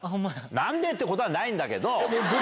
なんでってことはないんだけど。